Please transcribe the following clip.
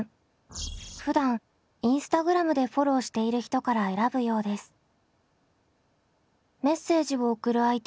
ふだんインスタグラムでフォローしている人から選ぶようです。